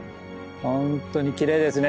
本当にきれいですね。